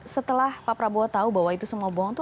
setelah pak prabowo tahu bahwa itu semua bohong itu